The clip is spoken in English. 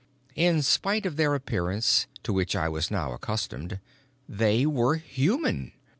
In spite of their appearance, to which I was now accustomed, they were human.